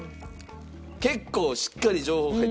結構しっかり情報入ってますよ。